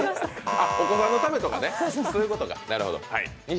あ、お子さんのためとかね、そういうことか、なるほど。